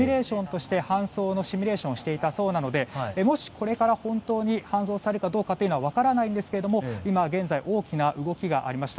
搬送のシミュレーションをしていたそうなのでもし、これから本当に搬送されるかどうかは分からないんですが、今現在大きな動きがありました。